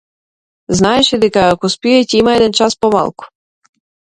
Знаеше дека ако спие, ќе има еден час помалку.